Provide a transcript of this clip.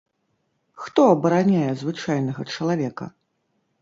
Хто абараняе звычайнага чалавека?